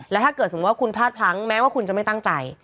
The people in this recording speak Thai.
ถ้าเกิดสมมุติว่าคุณพลาดพลั้งแม้ว่าคุณจะไม่ตั้งใจ